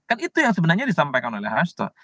kan itu yang sebenarnya disampaikan oleh hasto